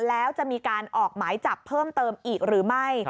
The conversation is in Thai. แล้วจะมีการออกหมายจับเพิ่มเติมอีกหรือไม่